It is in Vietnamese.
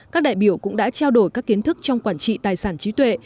các đại biểu cũng đã trao đổi các kiến thức trong quản trị tài sản trí tuệ